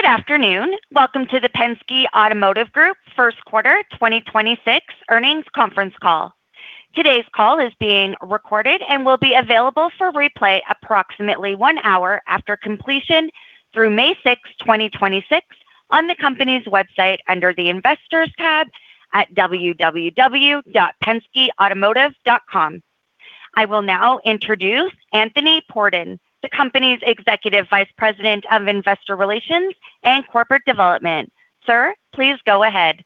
Good afternoon. Welcome to the Penske Automotive Group First Quarter 2026 Earnings Conference Call. Today's call is being recorded and will be available for replay approximately one hour after completion through May 6th, 2026 on the company's website under the Investors tab at www.penskeautomotive.com. I will now introduce Anthony Pordon, the company's Executive Vice President of Investor Relations and Corporate Development. Sir, please go ahead.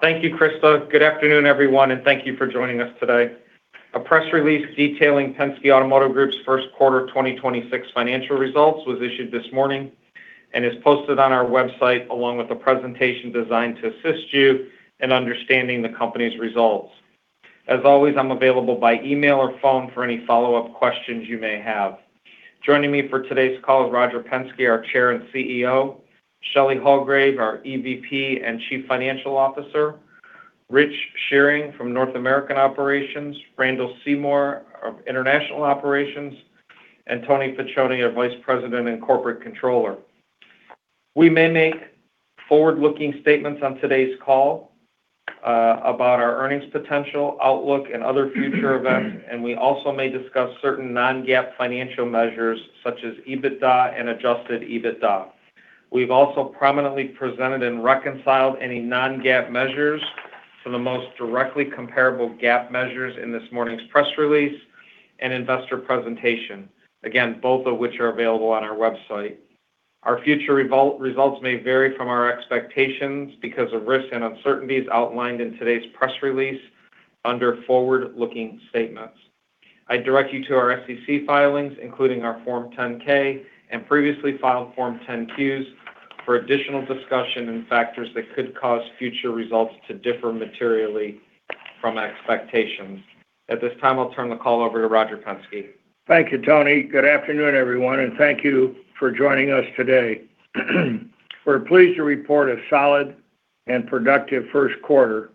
Thank you, Krista. Good afternoon, everyone, and thank you for joining us today. A press release detailing Penske Automotive Group's first quarter 2026 financial results was issued this morning and is posted on our website along with a presentation designed to assist you in understanding the company's results. As always, I'm available by email or phone for any follow-up questions you may have. Joining me for today's call is Roger Penske, our Chair and CEO, Shelley Hulgrave, our EVP and Chief Financial Officer, Rich Shearing from North American Operations, Randall Seymore of International Operations, and Tony Piccioni, our Vice President and Corporate Controller. We may make forward-looking statements on today's call about our earnings potential, outlook and other future events, and we also may discuss certain non-GAAP financial measures such as EBITDA and adjusted EBITDA. We've also prominently presented and reconciled any non-GAAP measures for the most directly comparable GAAP measures in this morning's press release and investor presentation, again, both of which are available on our website. Our future results may vary from our expectations because of risks and uncertainties outlined in today's press release under forward-looking statements. I direct you to our SEC filings, including our Form 10-K and previously filed Form 10-Q for additional discussion and factors that could cause future results to differ materially from expectations. At this time, I'll turn the call over to Roger Penske. Thank you, Tony. Good afternoon, everyone, and thank you for joining us today. We're pleased to report a solid and productive first quarter.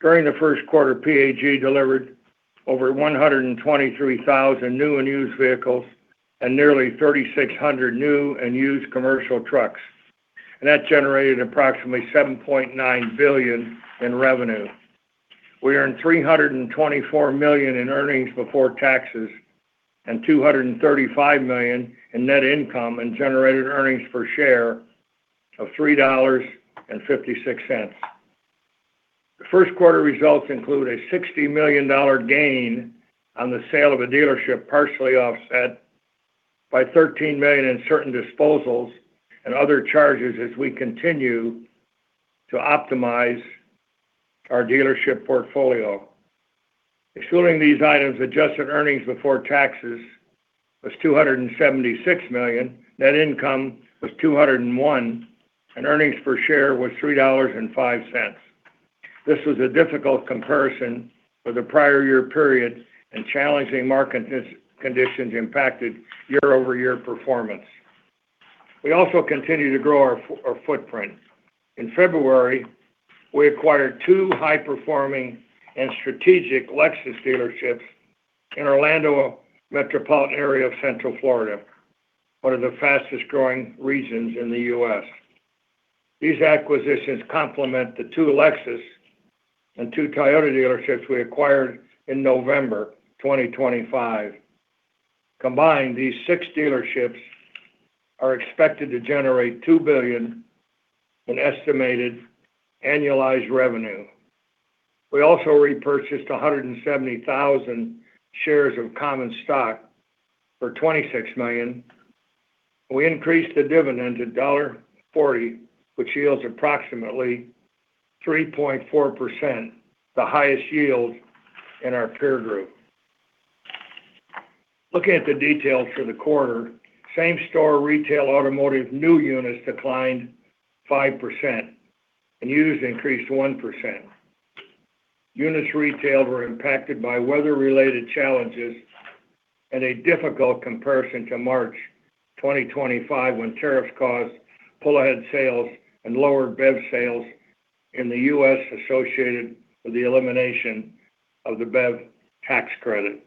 During the first quarter, PAG delivered over 123,000 new and used vehicles and nearly 3,600 new and used commercial trucks. That generated approximately $7.9 billion in revenue. We earned $324 million in earnings before taxes and $235 million in net income and generated earnings per share of $3.56. The first quarter results include a $60 million gain on the sale of a dealership, partially offset by $13 million in certain disposals and other charges as we continue to optimize our dealership portfolio. Excluding these items, adjusted Earnings Before Taxes was $276 million, net income was $201 million, and Earnings Per Share was $3.05. This was a difficult comparison for the prior year period and challenging market conditions impacted year-over-year performance. We also continue to grow our footprint. In February, we acquired two high-performing and strategic Lexus dealerships in Orlando metropolitan area of Central Florida, one of the fastest-growing regions in the U.S. These acquisitions complement the two Lexus and two Toyota dealerships we acquired in November 2025. Combined, these six dealerships are expected to generate $2 billion in estimated annualized revenue. We also repurchased 170,000 shares of common stock for $26 million. We increased the dividend to $1.40, which yields approximately 3.4%, the highest yield in our peer group. Looking at the details for the quarter, same-store retail automotive new units declined 5% and used increased 1%. Units retailed were impacted by weather-related challenges and a difficult comparison to March 2025 when tariffs caused pull-ahead sales and lower BEV sales in the U.S. associated with the elimination of the BEV tax credit.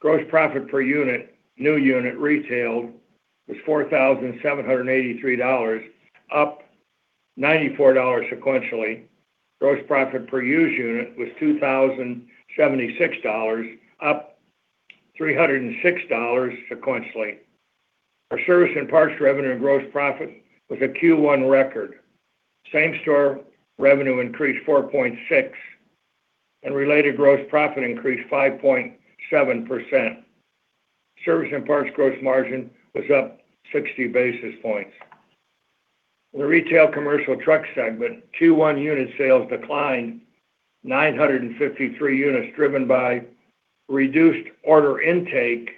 Gross profit per unit, new unit retailed was $4,783, up $94 sequentially. Gross profit per used unit was $2,076, up $306 sequentially. Our service and parts revenue and gross profit was a Q1 record. Same-store revenue increased 4.6%, and related gross profit increased 5.7%. Service and parts gross margin was up 60 basis points. In the retail commercial truck segment, Q1 unit sales declined 953 units, driven by reduced order intake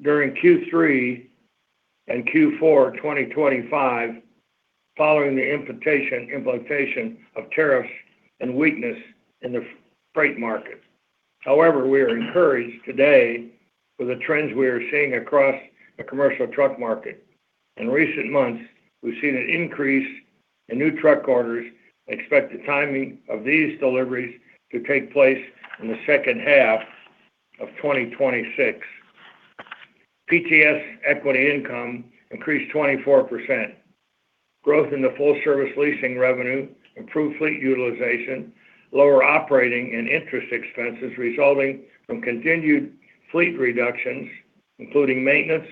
during Q3 and Q4 2025 following the implication of tariffs and weakness in the freight market. We are encouraged today with the trends we are seeing across the commercial truck market. In recent months, we've seen an increase in new truck orders, expect the timing of these deliveries to take place in the second half of 2026. PTS equity income increased 24%. Growth in the full service leasing revenue, improved fleet utilization, lower operating and interest expenses resulting from continued fleet reductions, including maintenance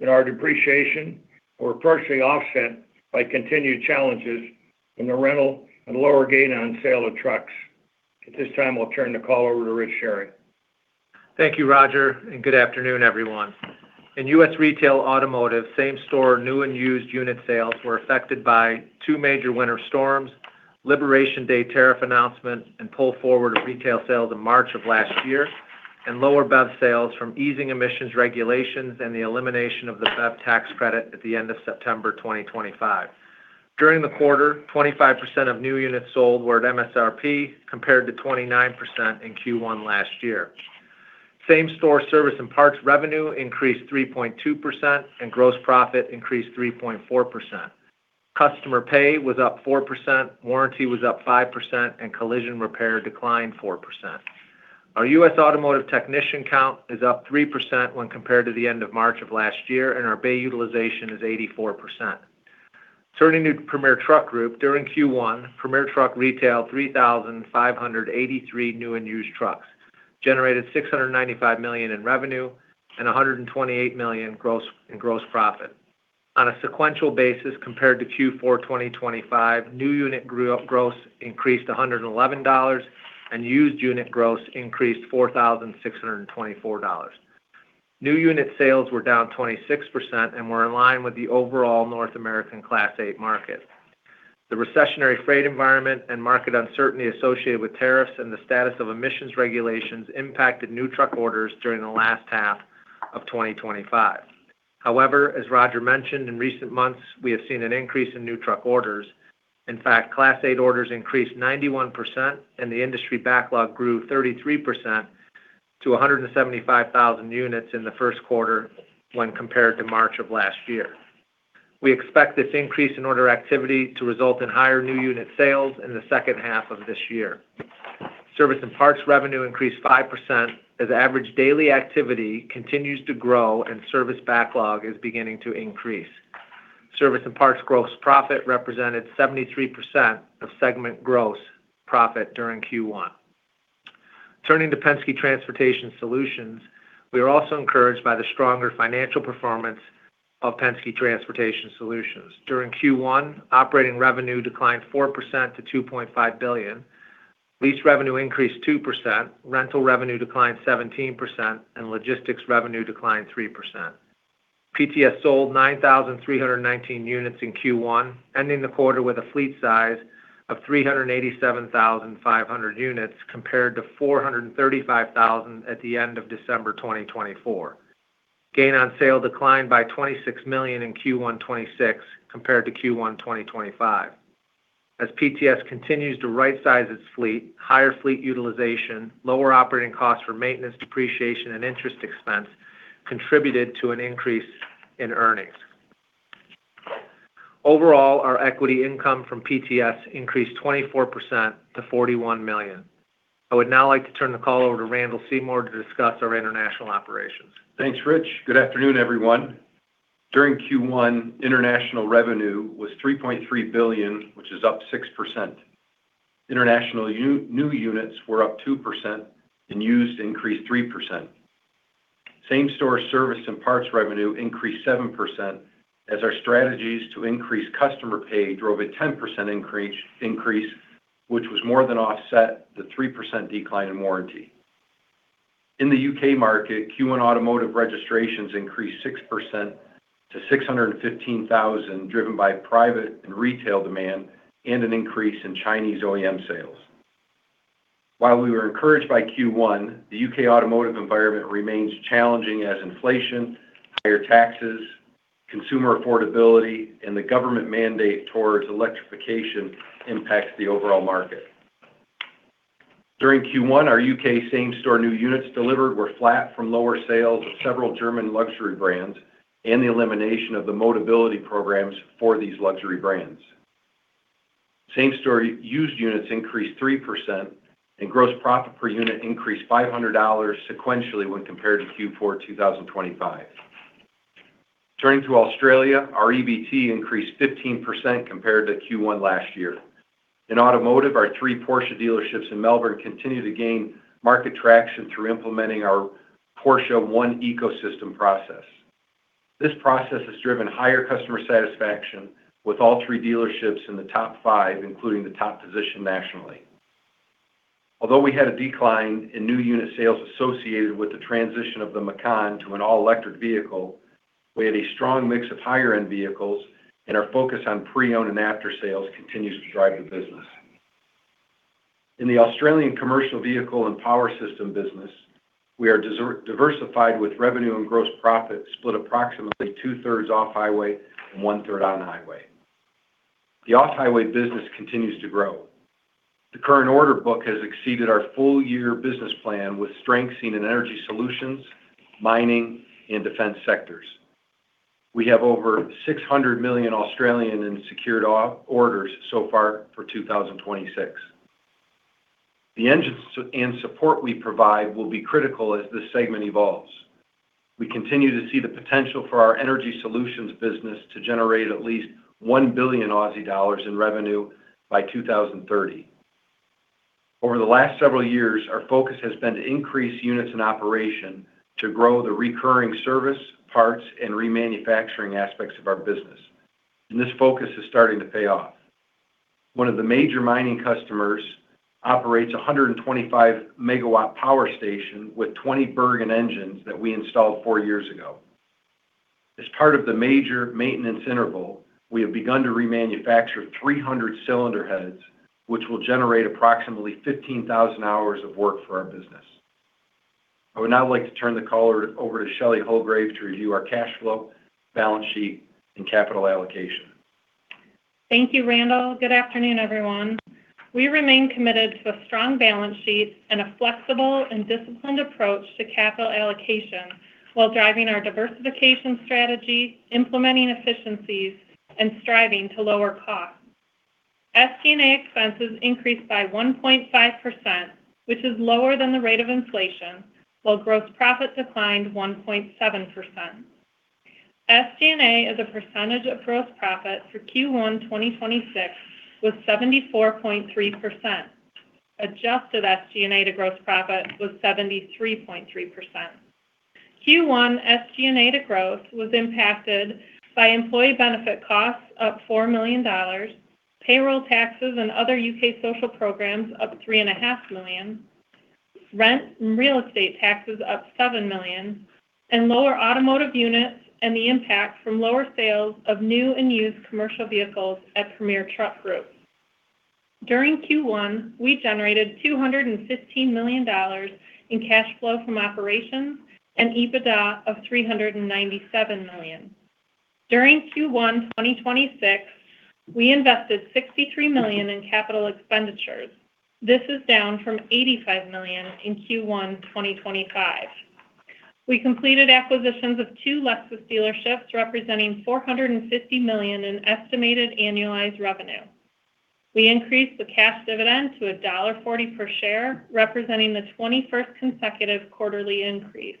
in our depreciation, were partially offset by continued challenges in the rental and lower gain on sale of trucks. At this time, we'll turn the call over to Rich Shearing. Thank you, Roger. Good afternoon, everyone. In U.S. retail automotive, same store new and used unit sales were affected by two major winter storms, Liberation Day tariff announcement, and pull forward of retail sales in March of last year, and lower BEV sales from easing emissions regulations and the elimination of the BEV tax credit at the end of September 2025. During the quarter, 25% of new units sold were at MSRP compared to 29% in Q1 last year. Same-store service and parts revenue increased 3.2% and gross profit increased 3.4%. Customer pay was up 4%, warranty was up 5%, and collision repair declined 4%. Our U.S. automotive technician count is up 3% when compared to the end of March of last year, and our bay utilization is 84%. Turning to Premier Truck Group, during Q1, Premier Truck retailed 3,583 new and used trucks, generated $695 million in revenue and $128 million in gross profit. On a sequential basis, compared to Q4 2025, new unit gross increased $111, and used unit gross increased $4,624. New unit sales were down 26% and were in line with the overall North American Class 8 market. The recessionary freight environment and market uncertainty associated with tariffs and the status of emissions regulations impacted new truck orders during the last half of 2025. As Roger mentioned, in recent months, we have seen an increase in new truck orders. In fact, Class 8 orders increased 91%, and the industry backlog grew 33% to 175,000 units in Q1 when compared to March of last year. We expect this increase in order activity to result in higher new unit sales in the second half of this year. Service and parts revenue increased 5% as average daily activity continues to grow and service backlog is beginning to increase. Service and parts gross profit represented 73% of segment gross profit during Q1. Turning to Penske Transportation Solutions, we are also encouraged by the stronger financial performance of Penske Transportation Solutions. During Q1, operating revenue declined 4% to $2.5 billion. Lease revenue increased 2%, rental revenue declined 17%, and logistics revenue declined 3%. PTS sold 9,319 units in Q1, ending the quarter with a fleet size of 387,500 units, compared to 435,000 at the end of December 2024. Gain on sale declined by $26 million in Q1 2026 compared to Q1 2025. As PTS continues to right-size its fleet, higher fleet utilization, lower operating costs for maintenance, depreciation, and interest expense contributed to an increase in earnings. Overall, our equity income from PTS increased 24% to $41 million. I would now like to turn the call over to Randall Seymore to discuss our international operations. Thanks, Rich. Good afternoon, everyone. During Q1, international revenue was $3.3 billion, which is up 6%. International new units were up 2%, and used increased 3%. Same-store service and parts revenue increased 7% as our strategies to increase customer pay drove a 10% increase, which was more than offset the 3% decline in warranty. In the U.K. market, Q1 automotive registrations increased 6% to 615,000, driven by private and retail demand and an increase in Chinese OEM sales. While we were encouraged by Q1, the U.K. automotive environment remains challenging as inflation, higher taxes, consumer affordability, and the government mandate towards electrification impacts the overall market. During Q1, our U.K. same-store new units delivered were flat from lower sales of several German luxury brands and the elimination of the Motability programs for these luxury brands. Same-store used units increased 3%. Gross profit per unit increased $500 sequentially when compared to Q4 2025. Turning to Australia, our EBT increased 15% compared to Q1 last year. In automotive, our three Porsche dealerships in Melbourne continue to gain market traction through implementing our Porsche One Ecosystem process. This process has driven higher customer satisfaction with all three dealerships in the top five, including the top position nationally. Although we had a decline in new unit sales associated with the transition of the Macan to an all-electric vehicle, we had a strong mix of higher-end vehicles. Our focus on pre-owned and after-sales continues to drive the business. In the Australian commercial vehicle and power system business, we are diversified with revenue and gross profit split approximately 2/3 off-highway and 1/3 on-highway. The off-highway business continues to grow. The current order book has exceeded our full-year business plan, with strength seen in energy solutions, mining, and defense sectors. We have over 600 million in secured orders so far for 2026. The engines and support we provide will be critical as this segment evolves. We continue to see the potential for our energy solutions business to generate at least 1 billion Aussie dollars in revenue by 2030. Over the last several years, our focus has been to increase units in operation to grow the recurring service, parts, and remanufacturing aspects of our business. This focus is starting to pay off. One of the major mining customers operates a 125 MW power station with 20 Bergen engines that we installed four years ago. As part of the major maintenance interval, we have begun to remanufacture 300 cylinder heads, which will generate approximately 15,000 hours of work for our business. I would now like to turn the caller over to Shelley Hulgrave to review our cash flow, balance sheet, and capital allocation. Thank you, Randall. Good afternoon, everyone. We remain committed to a strong balance sheet and a flexible and disciplined approach to capital allocation while driving our diversification strategy, implementing efficiencies, and striving to lower costs. SG&A expenses increased by 1.5%, which is lower than the rate of inflation, while gross profit declined 1.7%. SG&A as a percentage of gross profit for Q1 2026 was 74.3%. Adjusted SG&A to gross profit was 73.3%. Q1 SG&A to growth was impacted by employee benefit costs up $4 million, payroll taxes and other U.K. social programs up $3.5 million, rent and real estate taxes up $7 million, and lower automotive units and the impact from lower sales of new and used commercial vehicles at Premier Truck Group. During Q1, we generated $215 million in cash flow from operations and EBITDA of $397 million. During Q1 2026, we invested $63 million in capital expenditures. This is down from $85 million in Q1 2025. We completed acquisitions of two Lexus dealerships, representing $450 million in estimated annualized revenue. We increased the cash dividend to $1.40 per share, representing the 21st consecutive quarterly increase.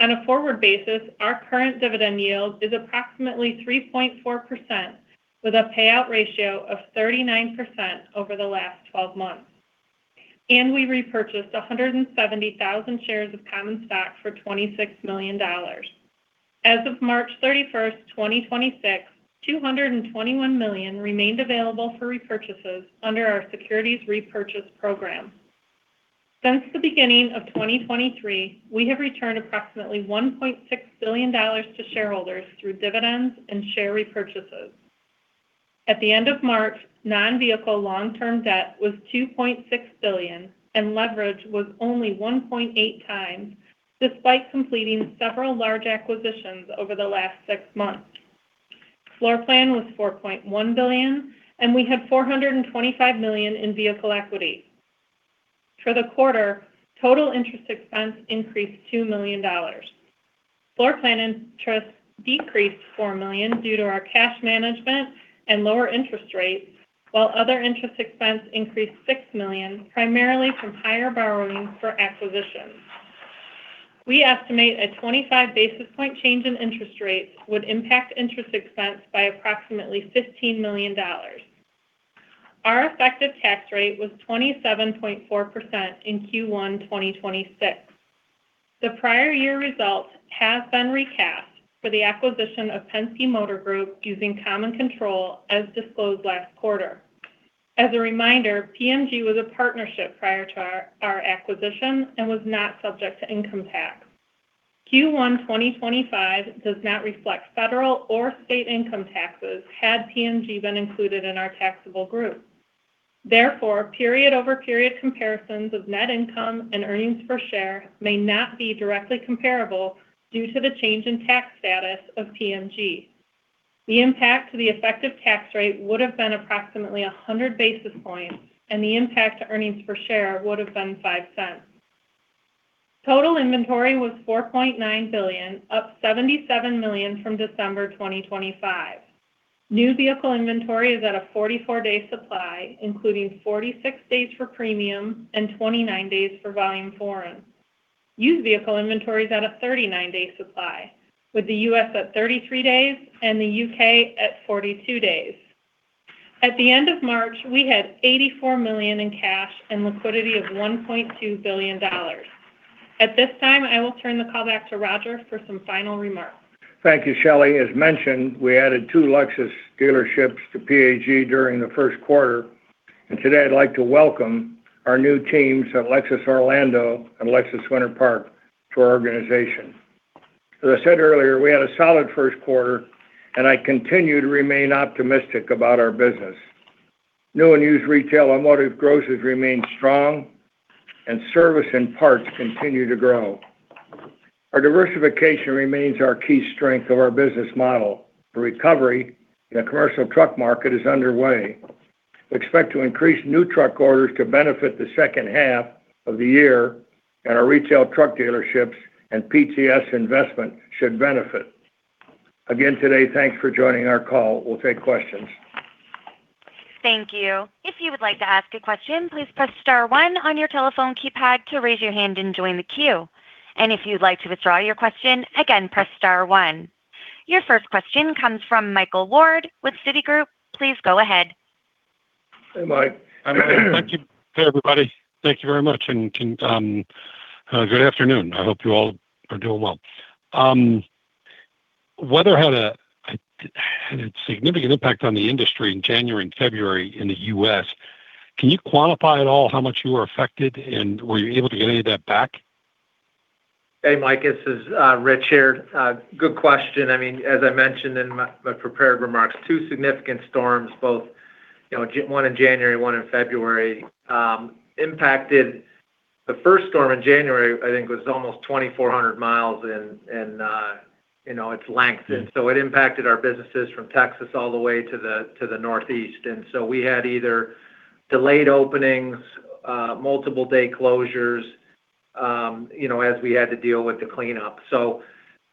On a forward basis, our current dividend yield is approximately 3.4%, with a payout ratio of 39% over the last 12 months. We repurchased 170,000 shares of common stock for $26 million. As of March 31st, 2026, $221 million remained available for repurchases under our securities repurchase program. Since the beginning of 2023, we have returned approximately $1.6 billion to shareholders through dividends and share repurchases. At the end of March, non-vehicle long-term debt was $2.6 billion, and leverage was only 1.8x, despite completing several large acquisitions over the last six months. Floor plan was $4.1 billion, and we had $425 million in vehicle equity. For the quarter, total interest expense increased $2 million. Floor plan interest decreased $4 million due to our cash management and lower interest rates, while other interest expense increased $6 million, primarily from higher borrowings for acquisitions. We estimate a 25 basis point change in interest rates would impact interest expense by approximately $15 million. Our effective tax rate was 27.4% in Q1 2026. The prior year results have been recast for the acquisition of Penske Motor Group using common control, as disclosed last quarter. As a reminder, PMG was a partnership prior to our acquisition and was not subject to income tax. Q1 2025 does not reflect federal or state income taxes, had PMG been included in our taxable group. Therefore, period-over-period comparisons of net income and Earnings Per Share may not be directly comparable due to the change in tax status of PMG. The impact to the effective tax rate would have been approximately 100 basis points, and the impact to earnings per share would have been $0.05. Total inventory was $4.9 billion, up $77 million from December 2025. New vehicle inventory is at a 44 day supply, including 46 days for premium and 29 days for volume foreign. Used vehicle inventory is at a 39-day supply, with the U.S. at 33 days and the U.K. at 42 days. At the end of March, we had $84 million in cash and liquidity of $1.2 billion. At this time, I will turn the call back to Roger for some final remarks. Thank you, Shelley. As mentioned, we added two Lexus dealerships to PAG during the first quarter. Today, I'd like to welcome our new teams at Lexus of Orlando and Lexus of Winter Park to our organization. As I said earlier, we had a solid first quarter. I continue to remain optimistic about our business. New and used retail automotive grosses remain strong. Service and parts continue to grow. Our diversification remains our key strength of our business model. The recovery in the commercial truck market is underway. Expect to increase new truck orders to benefit the second half of the year, and our retail truck dealerships and PTS investment should benefit. Again today, thanks for joining our call. We will take questions. Thank you. If you would like to ask a question, please press star one on your telephone keypad to raise your hand and join the queue. If you'd like to withdraw your question, again, press star one. Your first question comes from Michael Ward with Citigroup. Please go ahead. Hey, Mike. Thank you. Hey, everybody. Thank you very much. Good afternoon. I hope you all are doing well. Weather had a significant impact on the industry in January and February in the U.S. Can you quantify at all how much you were affected, and were you able to get any of that back? Hey, Mike. This is Richard. Good question. I mean, as I mentioned in my prepared remarks, two significant storms, both, you know, one in January, one in February, impacted. The first storm in January I think was almost 2,400mi in, you know, its length. Mm. It impacted our businesses from Texas all the way to the Northeast. We had either delayed openings, multiple-day closures, you know, as we had to deal with the cleanup.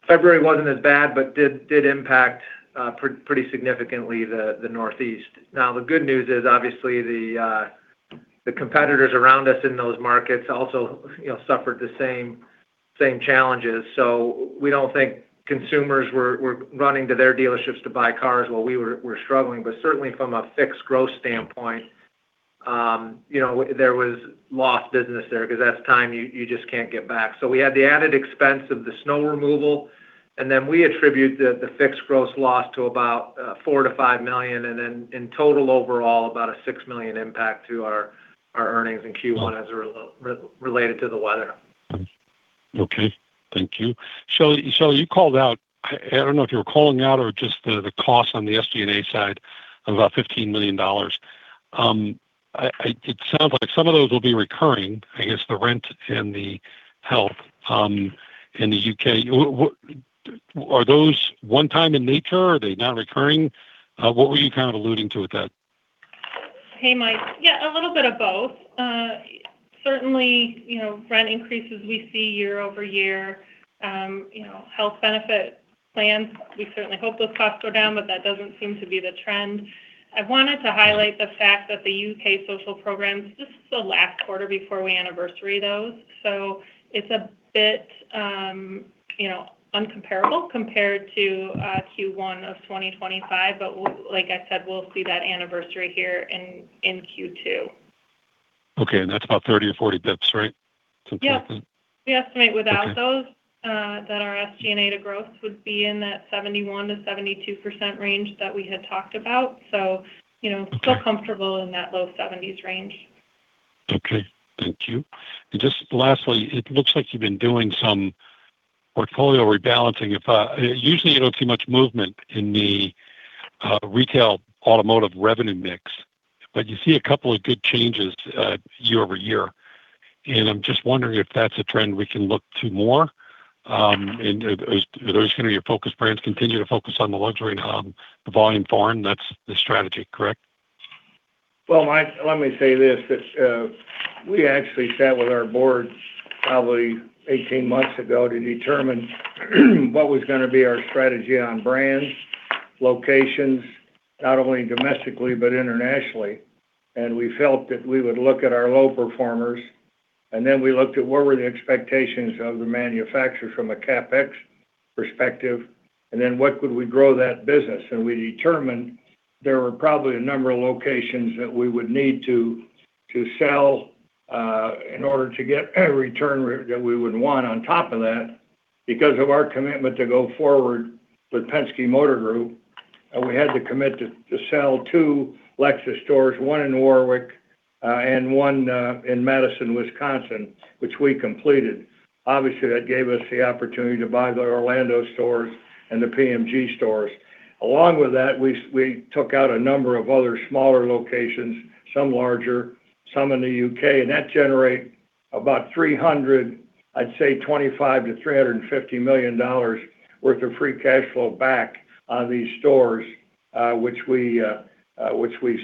February wasn't as bad, but did impact pretty significantly the Northeast. Now, the good news is, obviously the competitors around us in those markets also, you know, suffered the same challenges. We don't think consumers were running to their dealerships to buy cars while we were struggling. Certainly from a fixed growth standpoint, you know, there was lost business there, 'cause that's time you just can't get back. We had the added expense of the snow removal, and then we attribute the fixed gross loss to about $4 million-$5 million. In total overall, about a $6 million impact to our earnings in Q1. Wow As related to the weather. Okay. Thank you. Shelley, you called out. I don't know if you were calling out or just the cost on the SG&A side of $15 million. It sounds like some of those will be recurring, I guess the rent and the health in the U.K. What? Are those one-time in nature? Are they now recurring? What were you kind of alluding to with that? Hey, Mike. Yeah, a little bit of both. Certainly, you know, rent increases we see year-over-year. You know, health benefit plans, we certainly hope those costs go down, but that doesn't seem to be the trend. I wanted to highlight the fact that the U.K. social programs, this is the last quarter before we anniversary those, so it's a bit, you know, incomparable compared to Q1 of 2025. Like I said, we'll see that anniversary here in Q2. Okay, that's about 30 basis points-40 basis points, right? It's approximately? Yeah. Okay without those, that our SG&A to growth would be in that 71%-72% range that we had talked about. you know. Okay still comfortable in that low 70s range. Okay. Thank you. Just lastly, it looks like you've been doing some portfolio rebalancing. If, usually you don't see much movement in the retail automotive revenue mix, but you see a couple of good changes year-over-year. I'm just wondering if that's a trend we can look to more. Are those gonna be your focus brands, continue to focus on the luxury and the volume foreign, that's the strategy, correct? Well, Mike, let me say this. We actually sat with our board probably 18 months ago to determine what was gonna be our strategy on brands, locations, not only domestically, but internationally. We felt that we would look at our low performers, and then we looked at what were the expectations of the manufacturer from a CapEx perspective, and then what could we grow that business? We determined there were probably a number of locations that we would need to sell in order to get a return that we would want on top of that. Because of our commitment to go forward with Penske Motor Group, we had to commit to sell two Lexus stores, one in Warwick, and one in Madison, Wisconsin, which we completed. Obviously, that gave us the opportunity to buy the Orlando stores and the PMG stores. Along with that, we took out a number of other smaller locations, some larger, some in the U.K., and that generate about $325 million-$350 million worth of free cash flow back on these stores, which we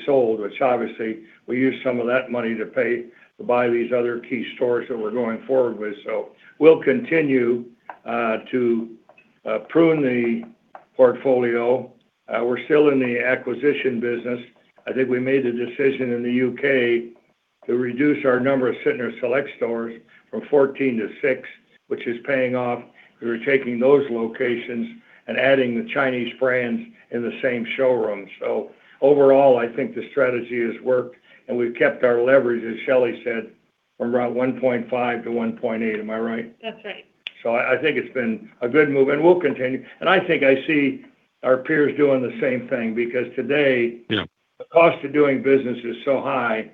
sold. Which obviously we used some of that money to pay to buy these other key stores that we're going forward with. We'll continue to prune the portfolio. We're still in the acquisition business. I think we made the decision in the U.K. to reduce our number of Sytner Select stores from 14 to six, which is paying off. We're taking those locations and adding the Chinese brands in the same showroom. Overall, I think the strategy has worked, and we've kept our leverage, as Shelley said, from around 1.5 to 1.8. Am I right? That's right. I think it's been a good move, and we'll continue. I think I see our peers doing the same thing, because today. Yeah The cost of doing business is so high,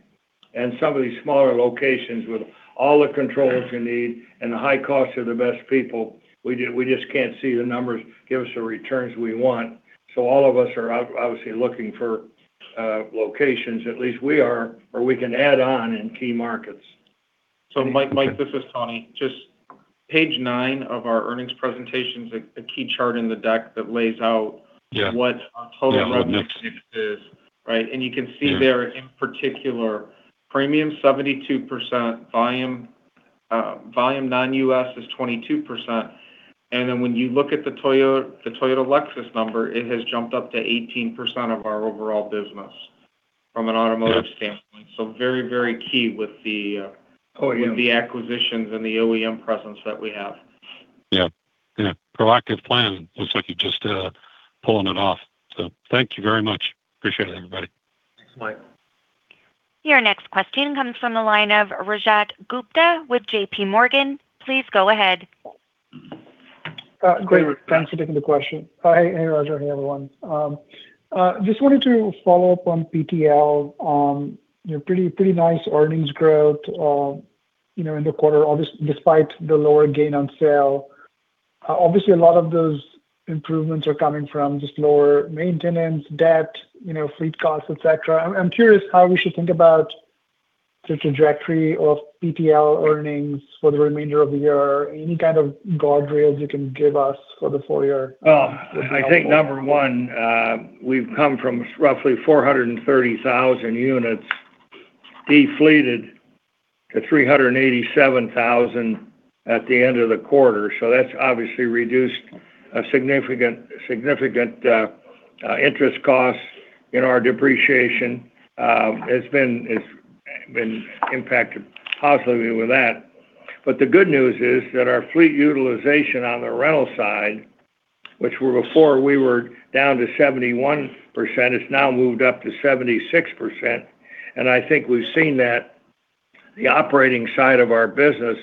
and some of these smaller locations with all the controls you need and the high cost of the best people, we just can't see the numbers give us the returns we want. All of us are obviously looking for locations, at least we are, where we can add on in key markets. Mike, this is Tony. Just page nine of our earnings presentation is a key chart in the deck. Yeah... what our total revenue mix is, right? You can see there in particular, premium 72%, volume non-U.S. is 22%. When you look at the Toyota, the Toyota Lexus number, it has jumped up to 18% of our overall business from an automotive standpoint. OEM with the acquisitions and the OEM presence that we have. Yeah. Yeah. Proactive plan. Looks like you're just pulling it off. Thank you very much. Appreciate it, everybody. Thanks, Mike. Your next question comes from the line of Rajat Gupta with JPMorgan. Please go ahead. Great. Thanks for taking the question. Hey, Roger. Hey, everyone. Just wanted to follow up on PTL on, you know, pretty nice earnings growth, you know, in the quarter despite the lower gain on sale. Obviously a lot of those improvements are coming from just lower maintenance, debt, you know, fleet costs, et cetera. I'm curious how we should think about the trajectory of PTL earnings for the remainder of the year. Any kind of guardrails you can give us for the full-year? I think number one, we've come from roughly 430,000 units de-fleeted to 387,000 at the end of the quarter. That's obviously reduced a significant interest cost in our depreciation. It's been impacted positively with that. The good news is that our fleet utilization on the rental side, which were before we were down to 71%, it's now moved up to 76%. I think we've seen that the operating side of our business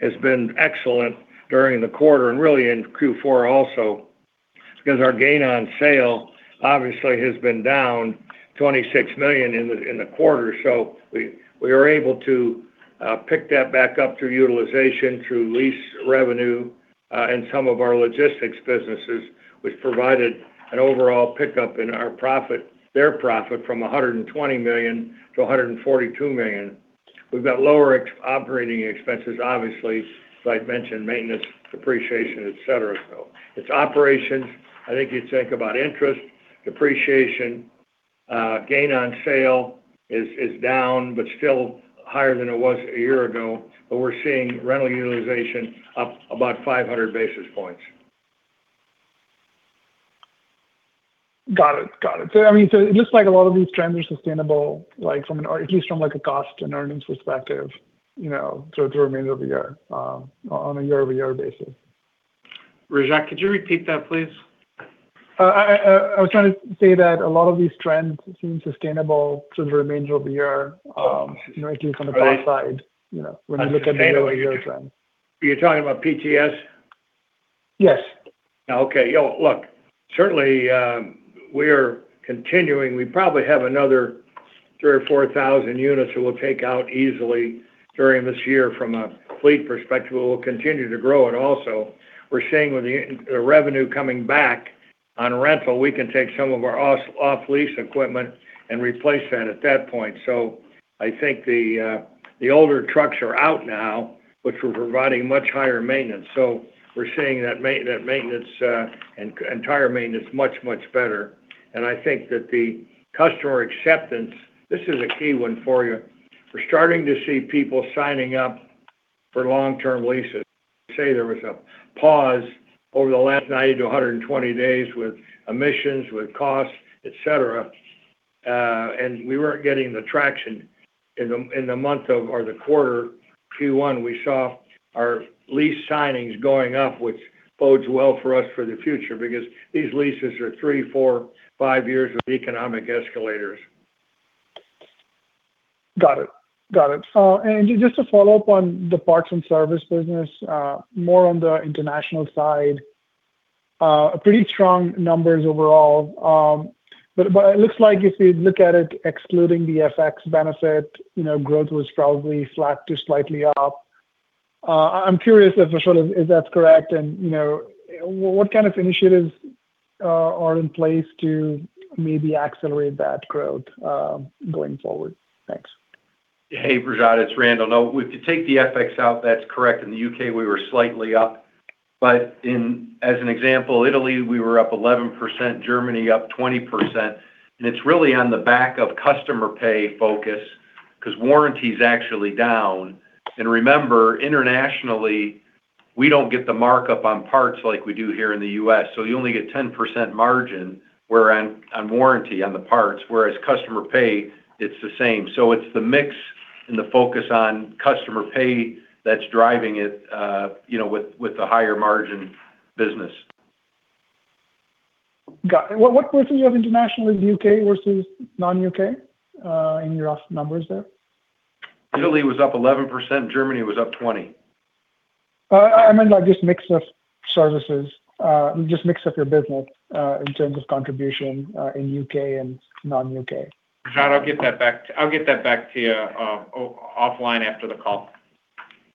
has been excellent during the quarter and really in Q4 also, because our gain on sale obviously has been down $26 million in the quarter. we are able to pick that back up through utilization, through lease revenue and some of our logistics businesses, which provided an overall pickup in our profit, their profit from $120 million to $142 million. We've got lower operating expenses, obviously, as I'd mentioned, maintenance, depreciation, et cetera. It's operations. I think you'd think about interest, depreciation, gain on sale is down, but still higher than it was a year ago. we're seeing rental utilization up about 500 basis points. Got it. I mean, it looks like a lot of these trends are sustainable, like at least from like a cost and earnings perspective, you know, through the remainder of the year, on a year-over-year basis. Rajat, could you repeat that, please? I was trying to say that a lot of these trends seem sustainable through the remainder of the year, you know, at least from the cost side, you know, when you look at the year-over-year trend. Are you talking about PTS? Yes. We're continuing. We probably have another 3,000 or 4,000 units that we'll take out easily during this year from a fleet perspective. We'll continue to grow. Also, we're seeing with the revenue coming back on rental, we can take some of our off-lease equipment and replace that at that point. I think the older trucks are out now, which were providing much higher maintenance. We're seeing that maintenance and tire maintenance much, much better. I think that the customer acceptance, this is a key one for you. We're starting to see people signing up for long-term leases. Say there was a pause over the last 90 to 120 days with emissions, with costs, et cetera. We weren't getting the traction. Q1, we saw our lease signings going up, which bodes well for us for the future because these leases are three, four, five years with economic escalators. Got it. Just to follow up on the parts and service business, more on the international side, pretty strong numbers overall. But it looks like if you look at it, excluding the FX benefit, you know, growth was probably flat to slightly up. I'm curious as to sort of if that's correct and, you know, what kind of initiatives are in place to maybe accelerate that growth going forward? Thanks. Hey, Rajat, it's Randall. If you take the FX out, that's correct. In the U.K., we were slightly up. In, as an example, Italy, we were up 11%, Germany up 20%. It's really on the back of customer pay focus because warranty's actually down. Remember, internationally, we don't get the markup on parts like we do here in the U.S. You only get 10% margin where on warranty on the parts, whereas customer pay, it's the same. It's the mix and the focus on customer pay that's driving it, you know, with the higher margin business. Got it. What portions of international is U.K. versus non-U.K. in your numbers there? Italy was up 11%, Germany was up 20%. I meant like just mix of services, just mix of your business, in terms of contribution, in UK and non-UK. Rajat, I'll get that back to you, offline after the call.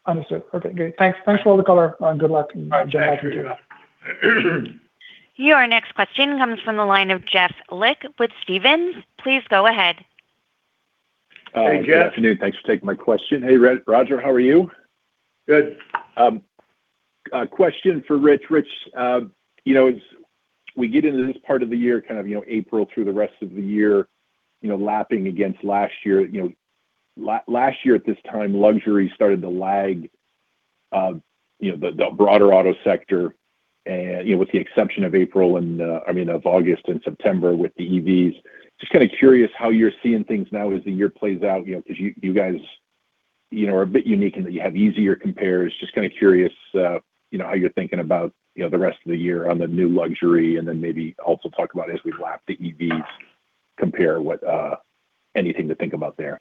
Understood. Okay, great. Thanks. Thanks for all the color and good luck. All right. Thank you. Your next question comes from the line of Jeff Lick with Stephens. Please go ahead. Hey, Jeff. Good afternoon. Thanks for taking my question. Hey, Roger, how are you? Good. A question for Rich. Rich, you know, as we get into this part of the year, kind of, you know, April through the rest of the year, you know, lapping against last year. You know, last year at this time, luxury started to lag, you know, the broader auto sector and, you know, with the exception of April and, I mean, of August and September with the EVs. Just kind of curious how you're seeing things now as the year plays out, you know, 'cause you guys, you know, are a bit unique in that you have easier compares. Just kind of curious, you know, how you're thinking about, you know, the rest of the year on the new luxury, then maybe also talk about as we lap the EVs compare, what? Anything to think about there.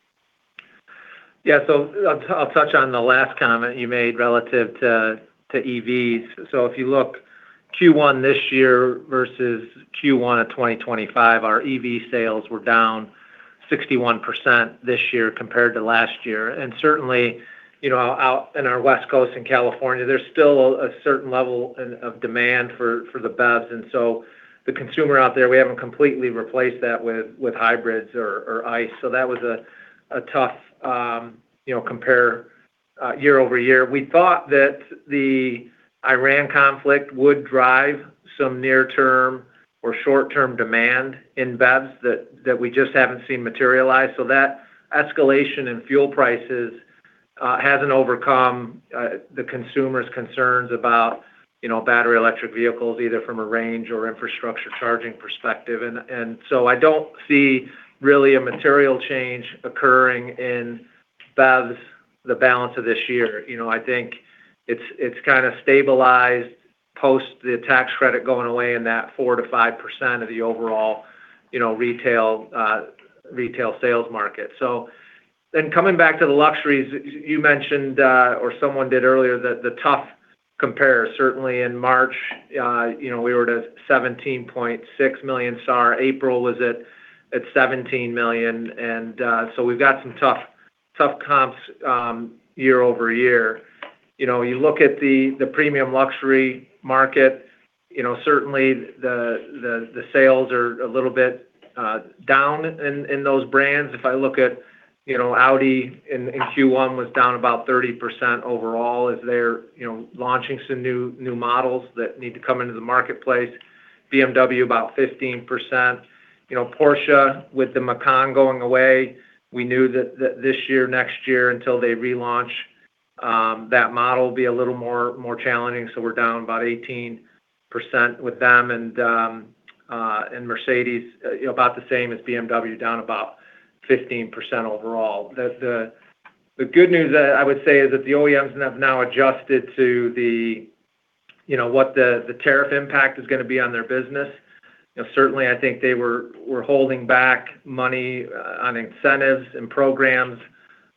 Yeah. I'll touch on the last comment you made relative to EVs. If you look Q1 this year versus Q1 of 2025, our EV sales were down 61% this year compared to last year. Certainly, you know, out in our West Coast and California, there's still a certain level of demand for the BEVs. The consumer out there, we haven't completely replaced that with hybrids or ICE. That was a tough, you know, compare year-over-year. We thought that the Iran conflict would drive some near-term or short-term demand in BEVs that we just haven't seen materialize. That escalation in fuel prices hasn't overcome the consumer's concerns about, you know, battery electric vehicles, either from a range or infrastructure charging perspective. I don't see really a material change occurring in BEVs the balance of this year. You know, I think it's kind of stabilized post the tax credit going away in that 4% to 5% of the overall, you know, retail sales market. Coming back to the luxuries, you mentioned, or someone did earlier, the tough compare, certainly in March, you know, we were to 17.6 million SAR, April was at 17 million. We've got some tough comps year-over-year. You know, you look at the premium luxury market, you know, certainly the sales are a little bit down in those brands. If I look at, you know, Audi in Q1 was down about 30% overall as they're, you know, launching some new models that need to come into the marketplace. BMW about 15%. You know, Porsche with the Macan going away, we knew that this year, next year until they relaunch, that model will be a little more challenging, so we're down about 18% with them. Mercedes, you know, about the same as BMW, down about 15% overall. The good news that I would say is that the OEMs have now adjusted to the, you know, what the tariff impact is gonna be on their business. You know, certainly I think they were holding back money on incentives and programs,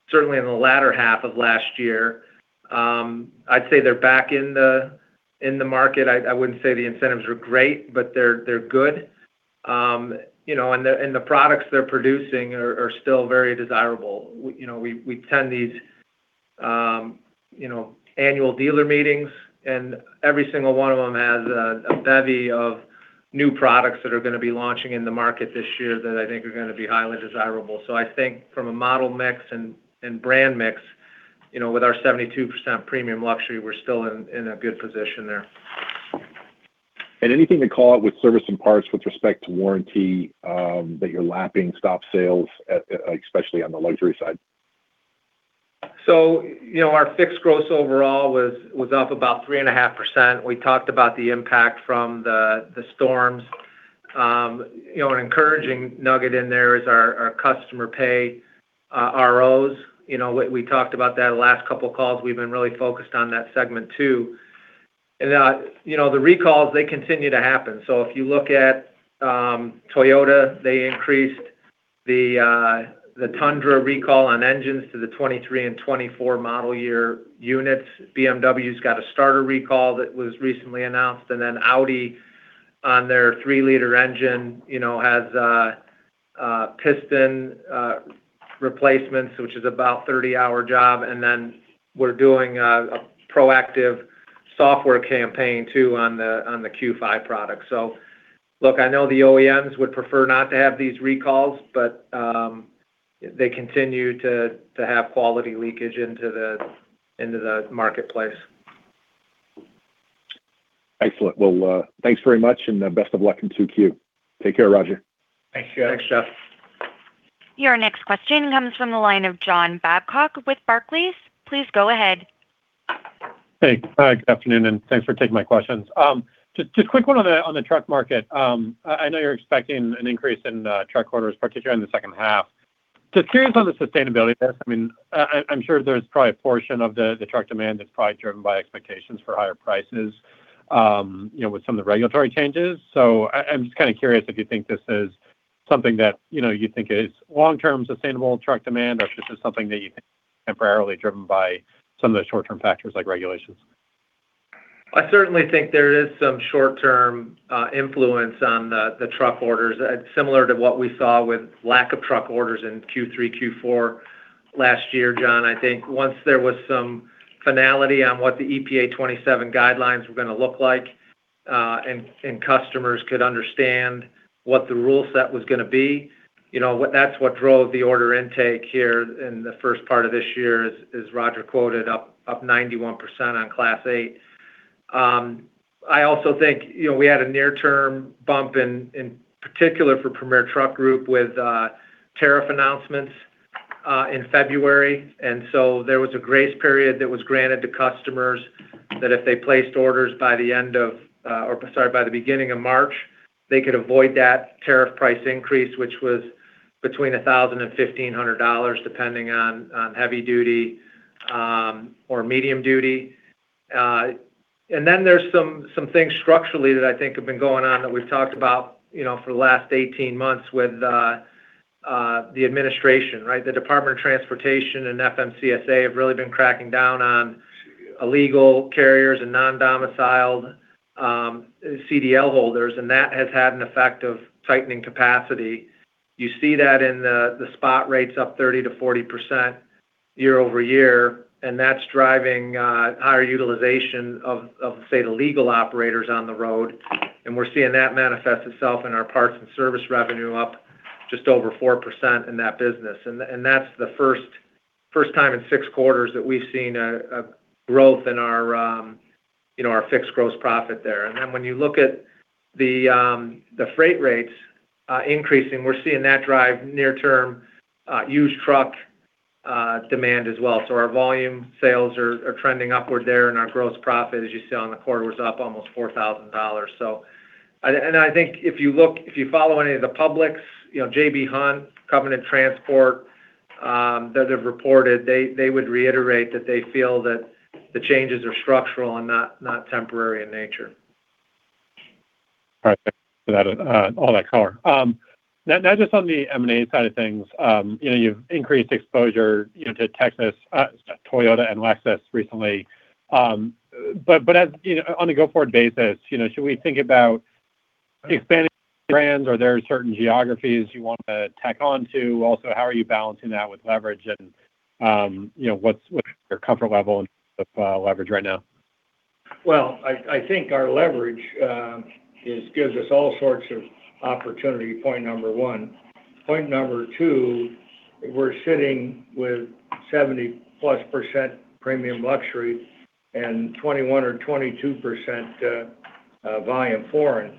certainly in the latter half of last year. I'd say they're back in the market. I wouldn't say the incentives are great, but they're good. You know, and the products they're producing are still very desirable. We, you know, we attend these, you know, annual dealer meetings, and every single one of them has a bevy of new products that are gonna be launching in the market this year that I think are gonna be highly desirable. I think from a model mix and brand mix, you know, with our 72% premium luxury, we're still in a good position there. Anything to call out with service and parts with respect to warranty, that you're lapping stop sales at, especially on the luxury side? You know, our fixed gross overall was up about 3.5%. We talked about the impact from the storms. You know, an encouraging nugget in there is our customer pay ROs. You know, we talked about that last couple calls. We've been really focused on that segment too. You know, the recalls, they continue to happen. If you look at Toyota, they increased the Tundra recall on engines to the 2023 and 2024 model year units. BMW's got a starter recall that was recently announced. Audi on their three-litre engine, you know, has piston replacements, which is about 30-hour job. We're doing a proactive software campaign too on the Q5 product. Look, I know the OEMs would prefer not to have these recalls, they continue to have quality leakage into the marketplace. Excellent. Well, thanks very much and best of luck in 2Q. Take care, Roger. Thanks, Jeff. Thanks, Jeff. Your next question comes from the line of John Babcock with Barclays. Please go ahead. Hey. Good afternoon. Thanks for taking my questions. Just a quick one on the truck market. I know you're expecting an increase in truck orders, particularly in the second half. Just curious on the sustainability risk. I mean, I'm sure there's probably a portion of the truck demand that's probably driven by expectations for higher prices, you know, with some of the regulatory changes. I'm just kind of curious if you think this is something that, you know, you think is long-term sustainable truck demand, or if this is something that you think is temporarily driven by some of the short-term factors like regulations. I certainly think there is some short-term influence on the truck orders, similar to what we saw with lack of truck orders in Q3, Q4. Last year, John, I think once there was some finality on what the EPA 2027 guidelines were going to look like, and customers could understand what the rule set was going to be, you know, that's what drove the order intake here in the first part of this year is Roger quoted up 91% on Class 8. I also think, you know, we had a near-term bump in particular for Premier Truck Group with tariff announcements in February. There was a grace period that was granted to customers that if they placed orders by the end of, by the beginning of March, they could avoid that tariff price increase, which was between $1,000 and $1,500, depending on heavy duty or medium duty. There's some things structurally that I think have been going on that we've talked about, you know, for the last 18 months with the administration, right? The Department of Transportation and FMCSA have really been cracking down on illegal carriers and non-domiciled CDL holders, that has had an effect of tightening capacity. You see that in the spot rates up 30%-40% year-over-year, that's driving higher utilization of the legal operators on the road. We're seeing that manifest itself in our parts and service revenue up just over 4% in that business. That's the first time in six quarters that we've seen growth in our, you know, our fixed gross profit there. When you look at the freight rates increasing, we're seeing that drive near term used truck demand as well. Our volume sales are trending upward there and our gross profit, as you saw in the quarter, was up almost $4,000. I think if you follow any of the publics, you know, J.B. Hunt, Covenant Transport that have reported, they would reiterate that they feel that the changes are structural and not temporary in nature. All right. Thanks for that all that color. Now just on the M&A side of things, you know, you've increased exposure, you know, to Texas, Toyota and Lexus recently. As, you know, on a go-forward basis, you know, should we think about expanding brands? Are there certain geographies you want to tack on to? Also, how are you balancing that with leverage and, you know, what's your comfort level of leverage right now? I think our leverage gives us all sorts of opportunity, point number one. Point number two, we're sitting with 70%-plus premium luxury and 21% or 22% volume foreign.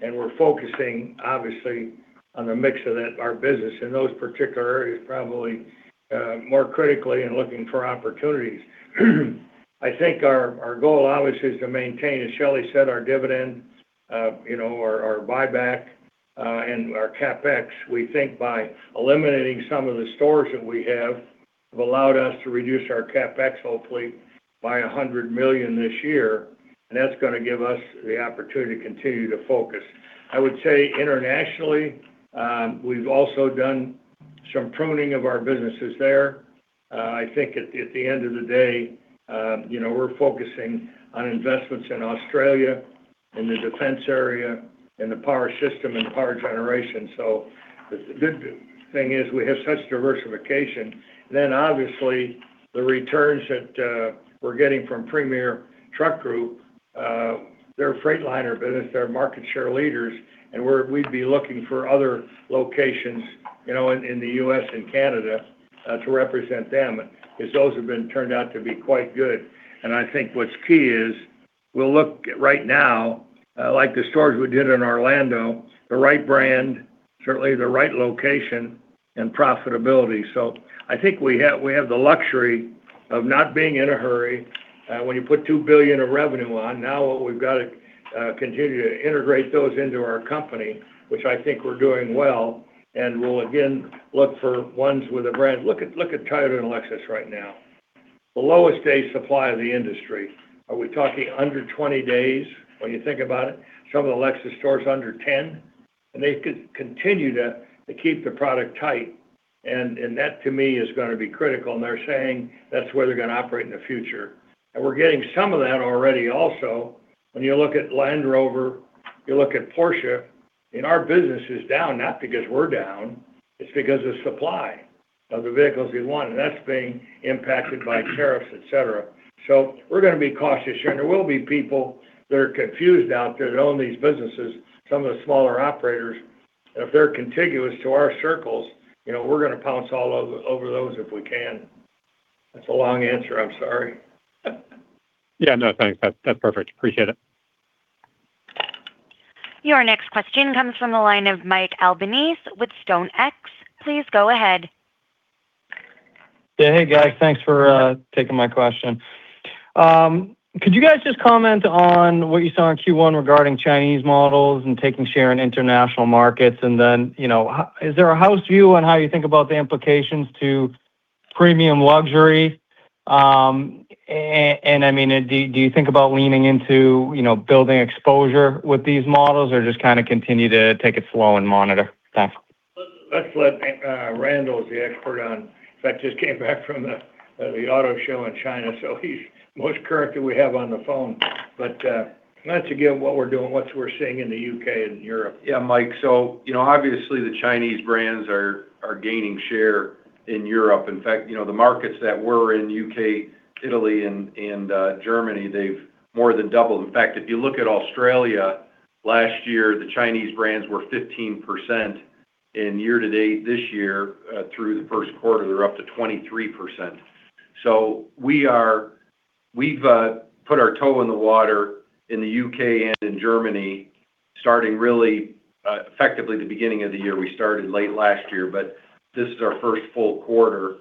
We're focusing obviously on the mix of that, our business in those particular areas, probably more critically and looking for opportunities. I think our goal obviously is to maintain, as Shelley said, our dividend, you know, our buyback and our CapEx. We think by eliminating some of the stores that we have allowed us to reduce our CapEx hopefully by $100 million this year, that's going to give us the opportunity to continue to focus. I would say internationally, we've also done some pruning of our businesses there. I think at the end of the day, you know, we're focusing on investments in Australia, in the defense area, in the power system and power generation. Obviously the returns that we're getting from Premier Truck Group, their Freightliner business, they're market share leaders, and we'd be looking for other locations, you know, in the U.S. and Canada, to represent them as those have been turned out to be quite good. I think what's key is we'll look right now, like the stores we did in Orlando, the right brand, certainly the right location and profitability. I think we have, we have the luxury of not being in a hurry. When you put $2 billion of revenue on, now we've got to continue to integrate those into our company, which I think we're doing well and we'll again look for ones with a brand. Look at Toyota and Lexus right now. The lowest day supply of the industry. Are we talking under 20 days when you think about it? Some of the Lexus stores under 10, and they could continue to keep the product tight. That to me is gonna be critical. They're saying that's the way they're gonna operate in the future. We're getting some of that already also. When you look at Land Rover, you look at Porsche, and our business is down not because we're down, it's because of supply of the vehicles we want, and that's being impacted by tariffs, et cetera. We're going to be cautious. There will be people that are confused out there that own these businesses, some of the smaller operators. If they're contiguous to our circles, you know, we're going to pounce all over those if we can. That's a long answer. I'm sorry. Yeah. No, thanks. That's perfect. Appreciate it. Your next question comes from the line of Mike Albanese with StoneX. Please go ahead. Yeah. Hey, guys. Thanks for taking my question. Could you guys just comment on what you saw in Q1 regarding Chinese models and taking share in international markets? You know, is there a house view on how you think about the implications to premium luxury? And I mean, do you think about leaning into, you know, building exposure with these models or just kinda continue to take it slow and monitor? Thanks. Let's let, Randall is the expert on. In fact, just came back from the auto show in China, so he's the most current that we have on the phone. Why don't you give what we're doing, what's we're seeing in the U.K. and Europe? Yeah, Mike. You know, obviously, the Chinese brands are gaining share in Europe. In fact, you know, the markets that were in U.K., Italy, and Germany, they've more than doubled. In fact, if you look at Australia, last year, the Chinese brands were 15%. Year-to-date this year, through the first quarter, they're up to 23%. We've put our toe in the water in the U.K. and in Germany, starting really effectively the beginning of the year. We started late last year, but this is our first full quarter.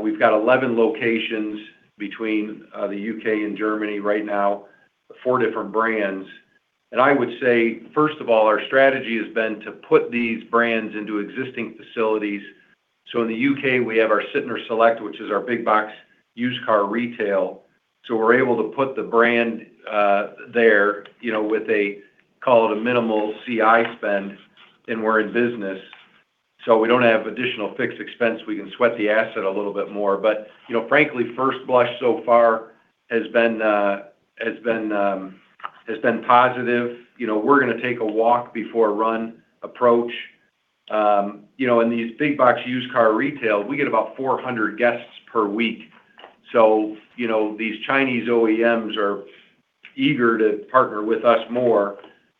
We've got 11 locations between the U.K. and Germany right now, four different brands. I would say, first of all, our strategy has been to put these brands into existing facilities. In the U.K., we have our Sytner Select, which is our big box used car retail. We're able to put the brand, you know, there, with a, call it a minimal CI spend, and we're in business. We don't have additional fixed expense. We can sweat the asset a little bit more. You know, frankly, first blush so far has been positive. You know, we're going to take a walk before run approach. You know, in these big box used car retail, we get about 400 guests per week. You know, these Chinese OEMs are eager to partner with us more.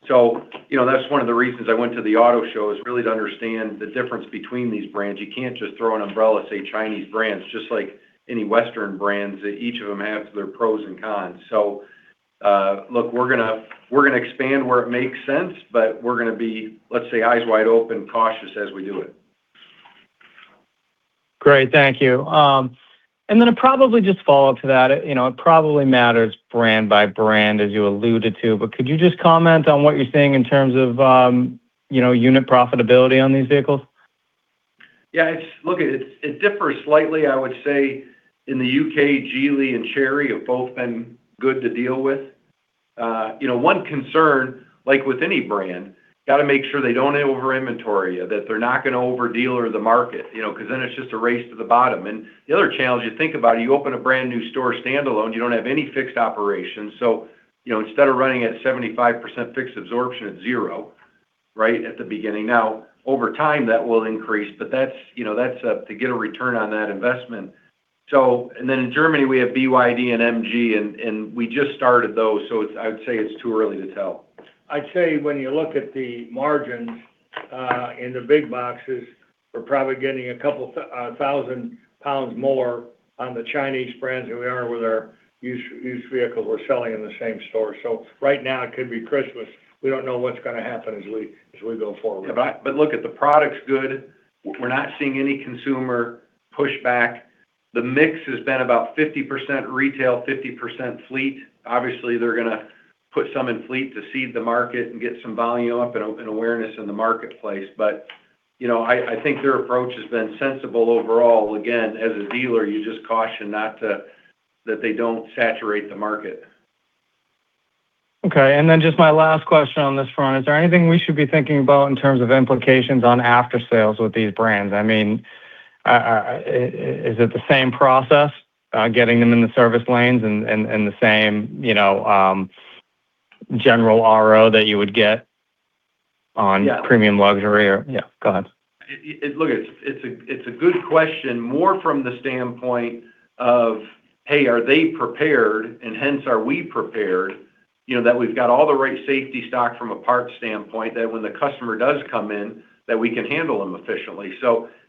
You know, that's one of the reasons I went to the auto show, is really to understand the difference between these brands. You can't just throw an umbrella, say Chinese brands, just like any Western brands. Each of them have their pros and cons. Look, we're gonna expand where it makes sense, but we're gonna be, let's say, eyes wide open, cautious as we do it. Great. Thank you. Probably just follow up to that, you know, it probably matters brand by brand, as you alluded to. But could you just comment on what you're seeing in terms of, you know, unit profitability on these vehicles? Yeah, it differs slightly. I would say in the U.K., Geely and Chery have both been good to deal with. You know, one concern, like with any brand, gotta make sure they don't over-inventory you, that they're not gonna over-dealer the market, you know? 'Cause then it's just a race to the bottom. The other challenge you think about, you open a brand-new store standalone, you don't have any fixed operations. You know, instead of running at 75% fixed absorption, it's 0, right, at the beginning. Now, over time, that will increase, but that's, you know, that's to get a return on that investment. In Germany, we have BYD and MG, and we just started those, I'd say it's too early to tell. I'd say when you look at the margins in the big boxes, we're probably getting a couple thousand GBP more on the Chinese brands than we are with our used vehicles we're selling in the same store. Right now, it could be Christmas. We don't know what's gonna happen as we go forward. Look, the product's good. We're not seeing any consumer pushback. The mix has been about 50% retail, 50% fleet. Obviously, they're gonna put some in fleet to seed the market and get some volume up and awareness in the marketplace. You know, I think their approach has been sensible overall. Again, as a dealer, you just caution that they don't saturate the market. Okay. Just my last question on this front, is there anything we should be thinking about in terms of implications on aftersales with these brands? I mean, is it the same process, getting them in the service lanes and the same, you know, general RO that you would get on? Yeah premium luxury or. Yeah, go ahead. Look, it's a good question more from the standpoint of, hey, are they prepared, and hence are we prepared, you know, that we've got all the right safety stock from a parts standpoint, that when the customer does come in, that we can handle them efficiently.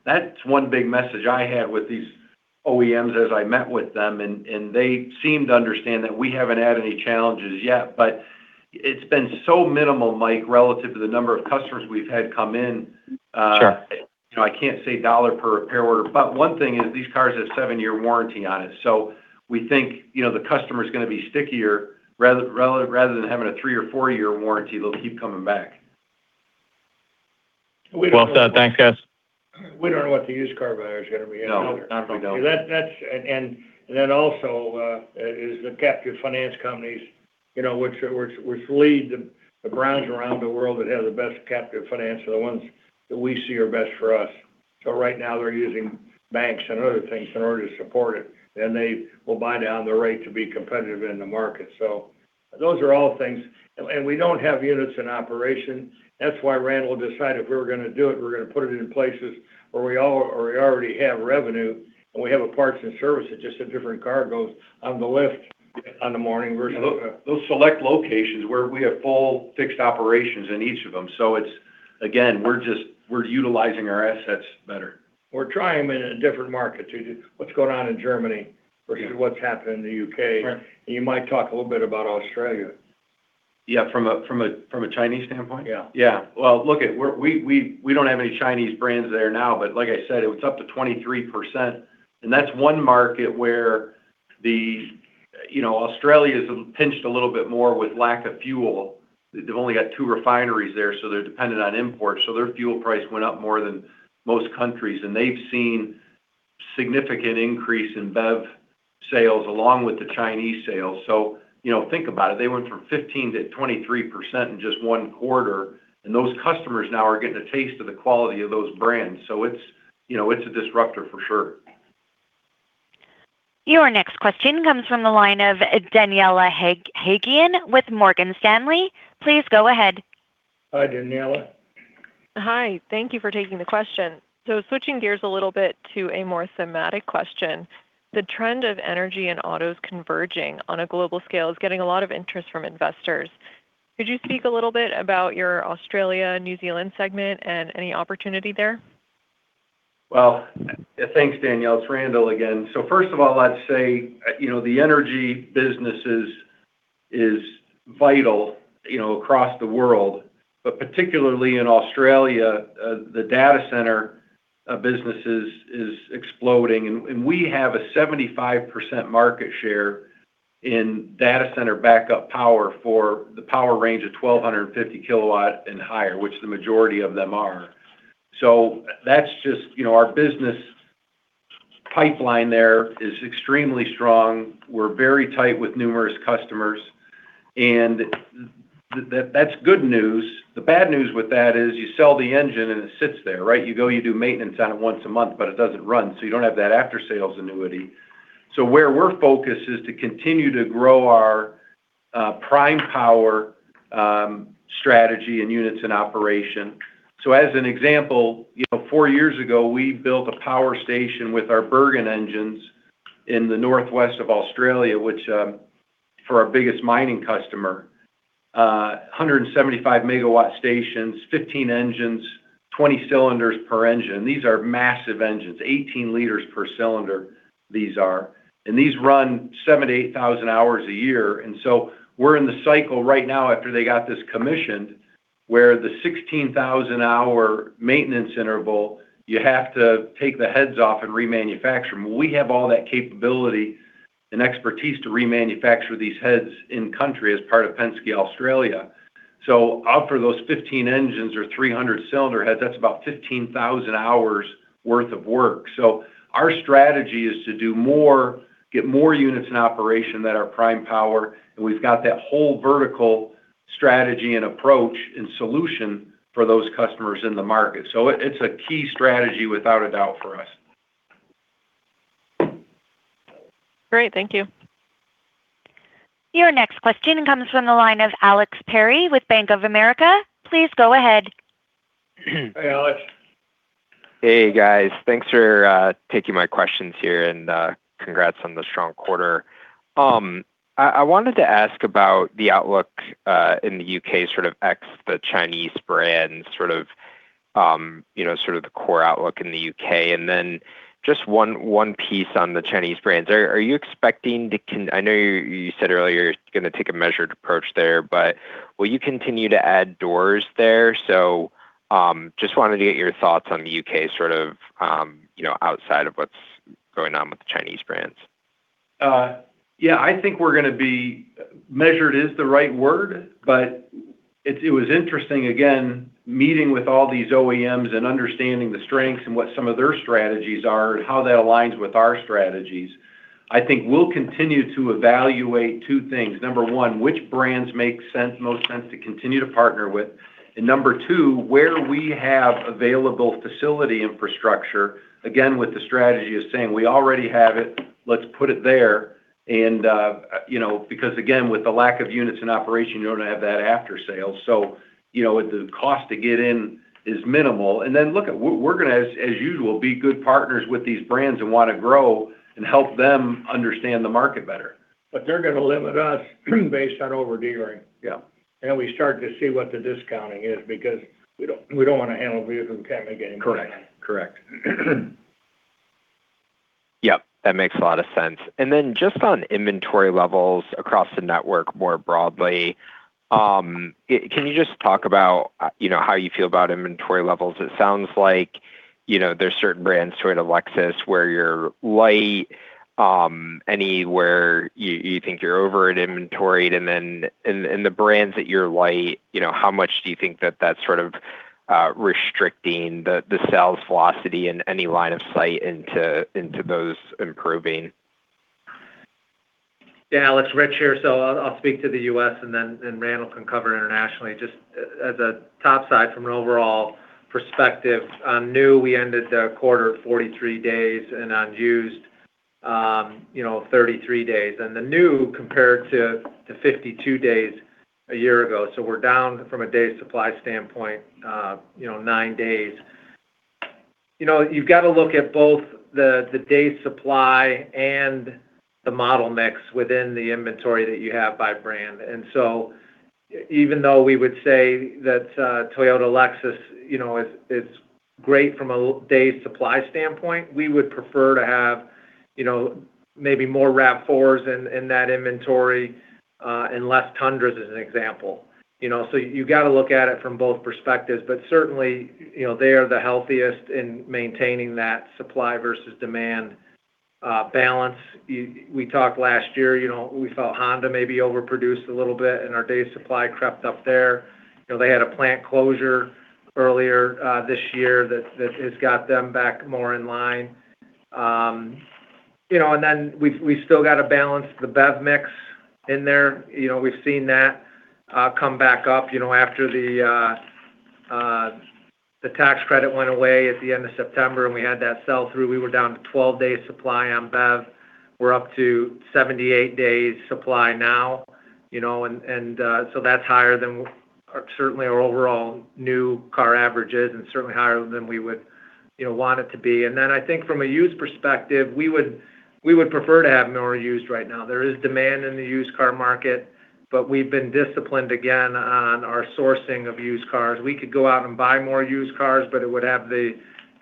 That's one big message I had with these OEMs as I met with them, and they seem to understand that we haven't had any challenges yet. It's been so minimal, Mike, relative to the number of customers we've had come in. Sure You know, I can't say dollar per repair order. One thing is these cars have seven-year warranty on it. We think, you know, the customer's going to be stickier. Rather than having a three or four-year warranty, they'll keep coming back. Well said. Thanks, guys. We don't know what the used car buyer is gonna be either. No. Not going to Then also is the captive finance companies, you know, which lead the brands around the world that have the best captive finance are the ones that we see are best for us. Right now, they're using banks and other things in order to support it, then they will buy down the rate to be competitive in the market. Those are all things. We don't have units in operation. That's why Randall decided if we were gonna do it, we're gonna put it in places where we already have revenue, and we have a parts and service, it's just a different car goes on the lift in the morning versus- Those select locations where we have full fixed operations in each of them. It's, again, we're just, we're utilizing our assets better. We're trying them in a different market to what's going on in Germany versus what's happening in the U.K. Right. You might talk a little bit about Australia. Yeah, from a Chinese standpoint? Yeah. Well, look at, we're, we don't have any Chinese brands there now. Like I said, it's up to 23%, and that's one market where, you know, Australia's pinched a little bit more with lack of fuel. They've only got two refineries there. They're dependent on imports. Their fuel price went up more than most countries, and they've seen significant increase in BEV sales along with the Chinese sales. You know, think about it. They went from 15%-23% in just one quarter, and those customers now are getting a taste of the quality of those brands. It's, you know, it's a disruptor for sure. Your next question comes from the line of Daniela Haigian with Morgan Stanley. Please go ahead. Hi, Daniela. Hi. Thank you for taking the question. Switching gears a little bit to a more thematic question, the trend of energy and autos converging on a global scale is getting a lot of interest from investors. Could you speak a little bit about your Australia, New Zealand segment and any opportunity there? Well, thanks, Daniela. It's Randall again. First of all, I'd say, you know, the energy business is vital, you know, across the world. Particularly in Australia, the data center business is exploding. And we have a 75% market share in data center backup power for the power range of 1,250 KW and higher, which the majority of them are. That's just, you know, our business pipeline there is extremely strong. We're very tight with numerous customers, and that's good news. The bad news with that is you sell the engine and it sits there, right? You go, you do maintenance on it once a month, but it doesn't run, so you don't have that after-sales annuity. Where we're focused is to continue to grow our prime power strategy and units in operation. As an example, you know, four years ago, we built a power station with our Bergen engines in the northwest of Australia, which, for our biggest mining customer, 175 MW stations, 15 engines, 20 cylinders per engine. These are massive engines, 18L per cylinder, these are. These run 70, 8,000 hours a year. We're in the cycle right now after they got this commissioned, where the 16,000 hour maintenance interval, you have to take the heads off and remanufacture them. We have all that capability and expertise to remanufacture these heads in country as part of Penske Australia. Out for those 15 engines or 300 cylinder heads, that's about 15,000 hours worth of work. Our strategy is to do more, get more units in operation that are prime power, and we've got that whole vertical strategy and approach and solution for those customers in the market. It's a key strategy without a doubt for us. Great. Thank you. Your next question comes from the line of Alex Perry with Bank of America. Please go ahead. Hey, Alex. Hey, guys. Thanks for taking my questions here, and congrats on the strong quarter. I wanted to ask about the outlook in the U.K., sort of ex the Chinese brand, sort of, you know, sort of the core outlook in the U.K. Just one piece on the Chinese brands. Are you expecting to con-- I know you said earlier you're gonna take a measured approach there, but will you continue to add doors there? Just wanted to get your thoughts on the U.K. sort of, you know, outside of what's going on with the Chinese brands. Yeah, I think we're going to be measured is the right word, but it was interesting, again, meeting with all these OEMs and understanding the strengths and what some of their strategies are and how that aligns with our strategies. I think we'll continue to evaluate two things. Number one, which brands make sense, most sense to continue to partner with? Number two, where we have available facility infrastructure, again, with the strategy is saying, we already have it, let's put it there. You know, because again, with the lack of units in operation, you don't have that after sale. You know, the cost to get in is minimal. Then look at we're going to, as usual, be good partners with these brands and want to grow and help them understand the market better. They're going to limit us based on over-dealing. Yeah. We start to see what the discounting is because we don't, we don't wanna handle a vehicle we can't make any money on. Correct. Yep, that makes a lot of sense. Just on inventory levels across the network more broadly, can you just talk about, you know, how you feel about inventory levels? It sounds like, you know, there's certain brands, Toyota Lexus, where you're light, anywhere you think you're over at inventoried. In the brands that you're light, you know, how much do you think that that's sort of, restricting the sales velocity and any line of sight into those improving? Alex. Rich here. I'll speak to the U.S., and then Randall can cover internationally. Just as a top side from an overall perspective, on new, we ended the quarter 43 days and on used, you know, 33 days. The new compared to 52 days a year ago. We're down from a day supply standpoint, you know, nine days. You know, you've got to look at both the day supply and the model mix within the inventory that you have by brand. Even though we would say that Toyota Lexus, you know, is great from a day supply standpoint, we would prefer to have, you know, maybe more RAV4s in that inventory and less Tundras, as an example. You know? You've got to look at it from both perspectives. Certainly, you know, they are the healthiest in maintaining that supply versus demand balance. We talked last year, you know, we felt Honda may be overproduced a little bit, and our days supply crept up there. You know, they had a plant closure earlier this year that has got them back more in line. You know, we've still got to balance the BEV mix in there. You know, we've seen that come back up, you know, after the tax credit went away at the end of September, and we had that sell through. We were down to 12 days supply on BEV. We're up to 78 days supply now, you know, and that's higher than certainly our overall new car average is and certainly higher than we would, you know, want it to be. I think from a used perspective, we would prefer to have more used right now. There is demand in the used car market, but we've been disciplined again on our sourcing of used cars. We could go out and buy more used cars, but it would have the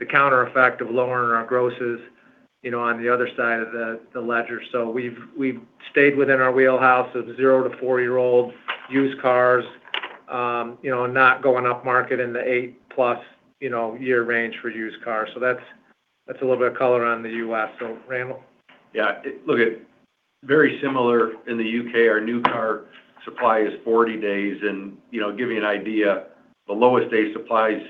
counter effect of lowering our grosses, you know, on the other side of the ledger. We've stayed within our wheelhouse of zero to four-year old used cars, you know, not going up market in the 8+, you know, year range for used cars. That's a little bit of color on the U.S. Randall? Yeah. Look it, very similar in the U.K., our new car supply is 40 days. You know, give you an idea, the lowest day supplies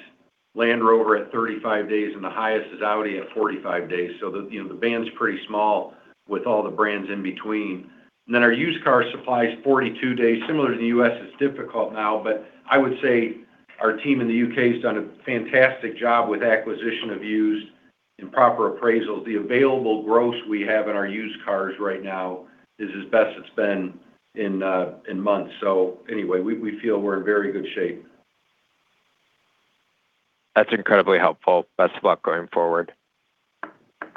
Land Rover at 35 days, and the highest is Audi at 45 days. The, you know, the band's pretty small with all the brands in between. Our used car supply is 42 days. Similar to the U.S., it's difficult now, but I would say our team in the U.K. has done a fantastic job with acquisition of used and proper appraisals. The available gross we have in our used cars right now is as best it's been in months. Anyway, we feel we're in very good shape. That's incredibly helpful. Best of luck going forward.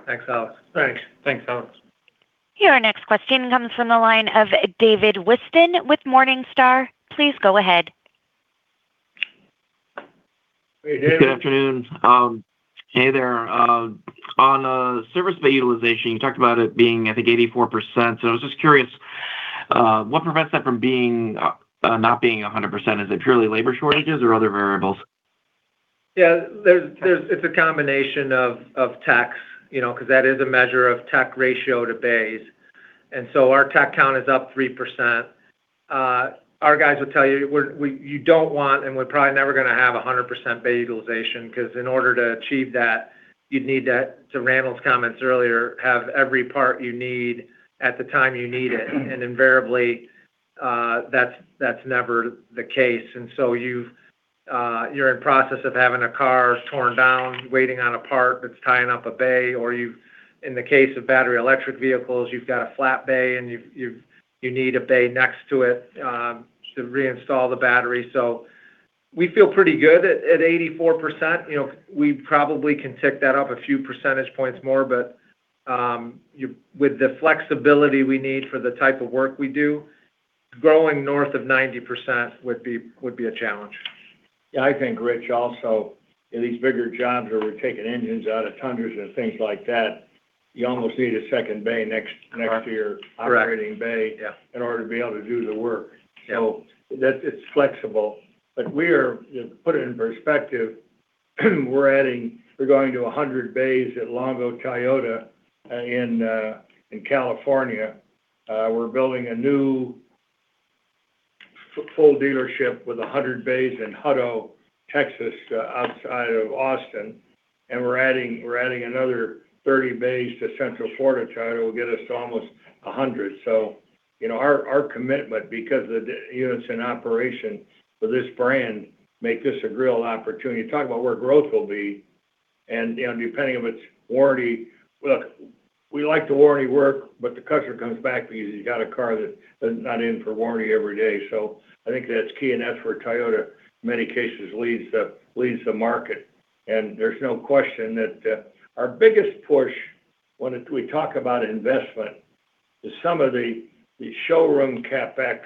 Thanks, Alex. Thanks. Thanks, Alex. Your next question comes from the line of David Whiston with Morningstar. Please go ahead. Hey, David. Good afternoon. Hey there. On service bay utilization, you talked about it being, I think, 84%. I was just curious, what prevents that from being not being 100%? Is it purely labor shortages or other variables? Yeah. There's a combination of techs, you know, 'cause that is a measure of tech ratio to bays. Our tech count is up 3%. Our guys will tell you, we're, you don't want, and we're probably never gonna have a 100% bay utilization, 'cause in order to achieve that, you'd need to Randall's comments earlier, have every part you need at the time you need it. Invariably, that's never the case. You're in process of having a car torn down, waiting on a part that's tying up a bay, or you, in the case of battery electric vehicles, you've got a flat bay and you've, you need a bay next to it to reinstall the battery. We feel pretty good at 84%. You know, we probably can tick that up a few percentage points more, but with the flexibility we need for the type of work we do, growing north of 90% would be a challenge. Yeah, I think Rich also, these bigger jobs where we're taking engines out of Tundras and things like that, you almost need a second bay next to your. Correct... operating Yeah in order to be able to do the work. Yeah. That, it's flexible. We are, you know, to put it in perspective, we're adding, we're going to 100 bays at Longo Toyota in California. We're building a new full dealership with 100 bays in Hutto, Texas, outside of Austin. We're adding another 30 bays to Central Florida. Toyota will get us to almost 100 bays. You know, our commitment because of the, you know, it's an operation for this brand, make this a real opportunity. Talk about where growth will be and, you know, depending on its warranty. Look, we like the warranty work, but the customer comes back because you got a car that's not in for warranty every day. I think that's key, and that's where Toyota, in many cases, leads the market. There's no question that our biggest push when we talk about investment is some of the showroom CapEx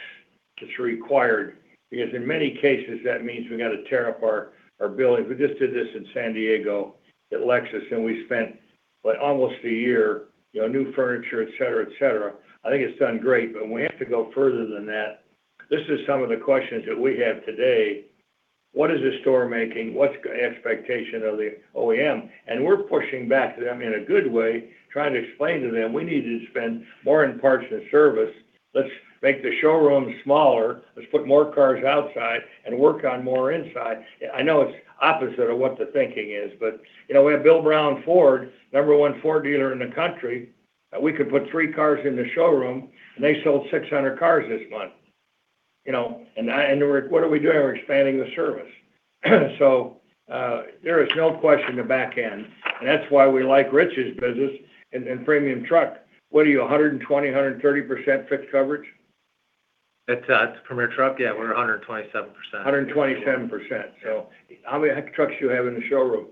that's required, because in many cases, that means we got to tear up our buildings. We just did this in San Diego at Lexus, and we spent, what, almost a year, you know, new furniture, et cetera, et cetera. I think it's done great, we have to go further than that. This is some of the questions that we have today. What is the store making? What's expectation of the OEM? We're pushing back to them in a good way, trying to explain to them we need to spend more in parts than service. Let's make the showroom smaller. Let's put more cars outside and work on more inside. I know it's opposite of what the thinking is, you know, we have Bill Brown Ford, number one Ford dealer in the country. We could put 3 cars in the showroom, they sold 600 cars this month. You know, what are we doing? We're expanding the service. There is no question the back-end, and that's why we like Rich's business in Premier Truck. What are you, 120%, 130% fixed coverage? It's, it's Premier Truck. Yeah, we're 127%. 127%. How many trucks you have in the showroom?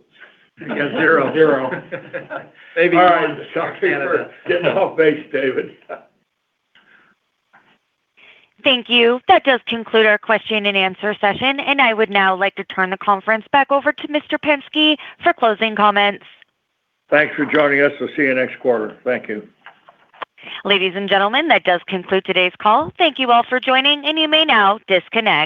We got zero. All right. Sorry for getting off base, David. Thank you. That does conclude our question and answer session, and I would now like to turn the conference back over to Mr. Penske for closing comments. Thanks for joining us. We'll see you next quarter. Thank you. Ladies and gentlemen, that does conclude today's call. Thank you all for joining, and you may now disconnect.